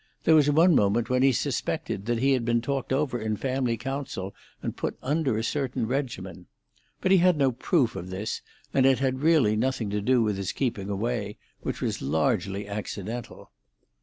There was one moment when he suspected that he had been talked over in family council, and put under a certain regimen. But he had no proof of this, and it had really nothing to do with his keeping away, which was largely accidental.